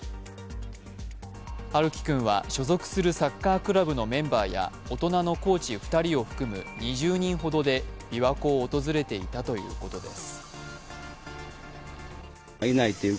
遥希君は所属するサッカークラブのメンバーや大人のコーチ２人を含む２０人ほどで琵琶湖を訪れていたということです。